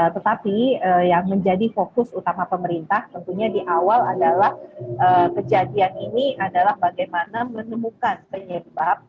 tetapi yang menjadi fokus utama pemerintah tentunya di awal adalah kejadian ini adalah bagaimana menemukan penyebab